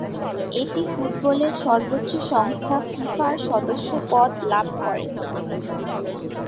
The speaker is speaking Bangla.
এটি ফুটবলের সর্বোচ্চ সংস্থা ফিফার সদস্যপদ লাভ করেনি।